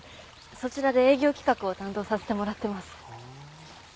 そちらで営業企画を担当させてもらってます。